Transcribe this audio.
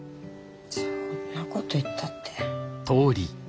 そんなこと言ったって。